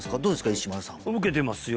石丸さん受けてますよ